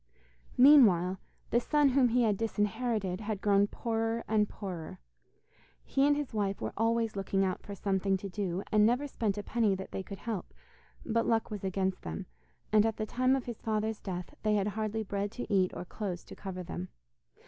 Meanwhile, the son whom he had disinherited had grown poorer and poorer. He and his wife were always looking out for something to do, and never spent a penny that they could help, but luck was against them, and at the time of his father's death they had hardly bread to eat or clothes to cover them.